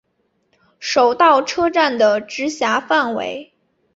手稻车站的直辖范围。